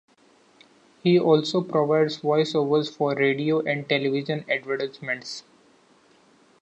He also provides voice-overs for radio and television advertisements.